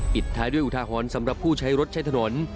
ปิดท้ายด้วยอุทาหรณ์สำหรับผู้ใช้รถใช้ถนน